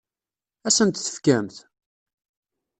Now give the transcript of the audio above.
Ad asen-t-tefkemt?